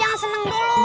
jangan seneng dulu